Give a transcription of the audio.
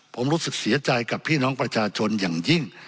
ผมรู้สึกเสียใจกับพี่น้องประชาชนอย่างยิ่ง